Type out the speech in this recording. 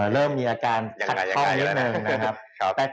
เริ่มมีอาการขัดข้องนิดนึงนะครับ